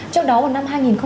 trước đó ông nguyễn nói là